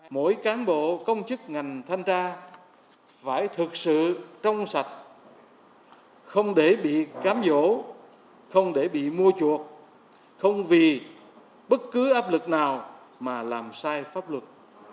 mỗi cán bộ công chức ngành thanh tra phải thực sự trong sạch không để bị cám dỗ không để bị mua chuột không vì bất cứ áp lực nào mà làm sai pháp luật